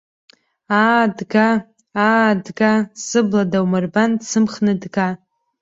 Аа дга, аа дга, сыбла даумырбан, дсымхны дга.